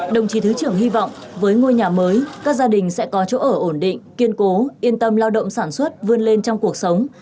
đồng chí thứ trưởng hy vọng với ngôi nhà mới các gia đình sẽ có chỗ ở ổn định kiên cố yên tâm lao động sản xuất vươn lên trong cuộc sống